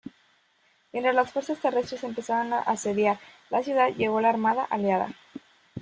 Mientras las fuerzas terrestres empezaban a asediar la ciudad, llegó la armada aliada.